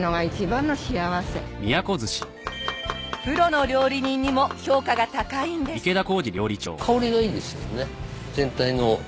プロの料理人にも評価が高いんです。